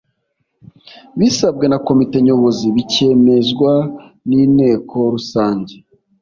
bisabwe na komite Nyobozi bikemezwa n’Inteko Rusange